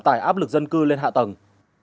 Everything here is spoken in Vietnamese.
tải áp lực dân cư lên hạ tầng